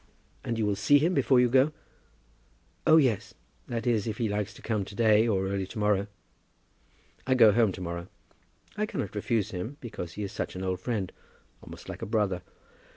"And you will see him before you go?" "Oh, yes; that is if he likes to come to day, or early to morrow. I go home to morrow. I cannot refuse him, because he is such an old friend, almost like a brother.